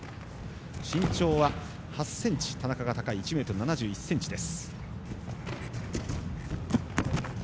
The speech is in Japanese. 身長は８ｃｍ田中が高い１ｍ７１ｃｍです。